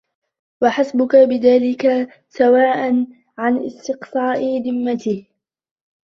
وَحَسْبُك بِذَلِكَ سُوءًا عَنْ اسْتِقْصَاءِ ذَمِّهِ